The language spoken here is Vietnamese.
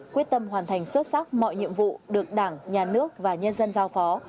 quyết tâm hoàn thành xuất sắc mọi nhiệm vụ được đảng nhà nước và nhân dân giao phó